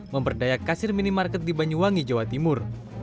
memberdaya kasir minimarket di banyuwangi jawa timur